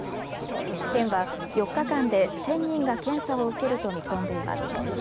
県は４日間で１０００人が検査を受けると見込んでいます。